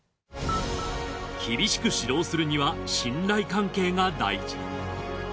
厳しく指導するには信頼関係が大事。